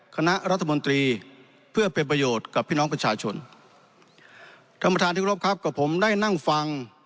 คณะรัฐมนตรีเพื่อเป็นประโยชน์กับพี่น้องประชาชนท่านประธานที่กรบครับกับผมได้นั่งฟัง